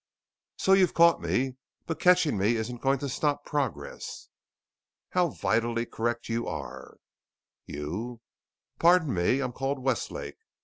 "So you've caught me. But catching me isn't going to stop progress." "How vitally correct you are." "You " "Pardon me. I am called Westlake.